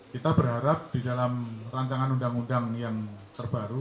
kita berharap di dalam rancangan undang undang yang terbaru